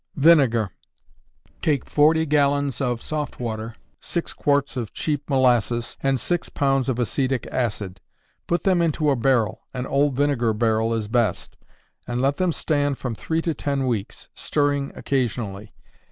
Vinegar. Take forty gallons of soft water, six quarts of cheap molasses, and six pounds of acetic acid; put them into a barrel (an old vinegar barrel is best), and let them stand from three to ten weeks, stirring occasionally.